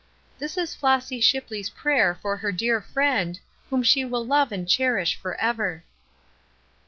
This is Flossy Shipley's prayer for her dear friend, whom she will love and cherish forever."